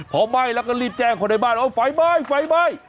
พอไหม้แล้วก็รีบแจ้งคนในบ้านว่าไฟไหม้ไฟไหม้